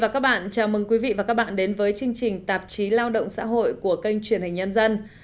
chào mừng quý vị và các bạn đến với chương trình tạp chí lao động xã hội của kênh truyền hình nhân dân